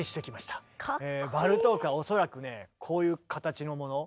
バルトークは恐らくねこういう形のものを持って。